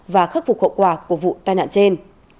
và khắc phục hậu quả của vụ tai nạn trên